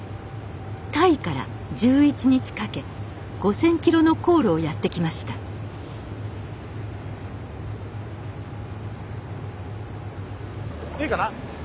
タイから１１日かけ５，０００キロの航路をやって来ましたいいかな？